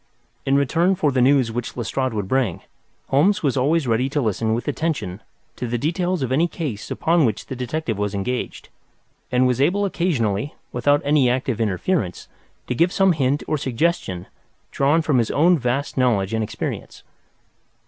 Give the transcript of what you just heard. In return for the news which Lestrade would bring, Holmes was always ready to listen with attention to the details of any case upon which the detective was engaged, and was able occasionally, without any active interference, to give some hint or suggestion drawn from his own vast knowledge and experience.